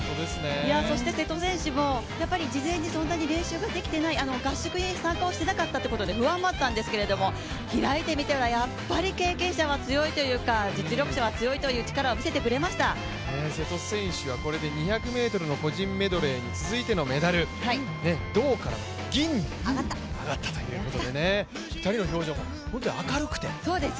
そして瀬戸選手も事前にそんなに練習ができていない、合宿に参加をしていなかったということで不安もあったんですけど開いてみたらやっぱり経験者は強いというか実力者は強いという瀬戸選手はこれで２００ｍの個人メドレーに続いてのメダル、銅から銀に上がったということで、２人の表情も明るくて。